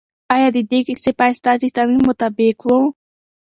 آیا د دې کیسې پای ستا د تمې مطابق و؟